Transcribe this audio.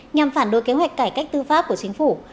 nhằm phản đối kế hoạch cải cách tư pháp của chính phủ